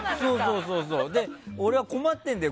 俺は困ってるんだよ。